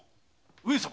上様！